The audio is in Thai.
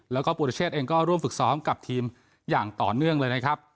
แล้วก็ปุรเชษเองก็ร่วมฝึกซ้อมกับทีมอย่างต่อเนื่องเลยนะครับ